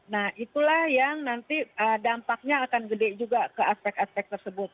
nah itulah yang nanti dampaknya akan gede juga ke aspek aspek tersebut